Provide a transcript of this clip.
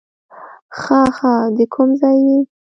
ښه ښه، د کوم ځای یې؟